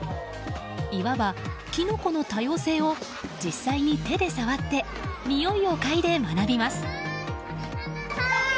いわば、キノコの多様性を実際に手で触ってにおいをかいで学びます。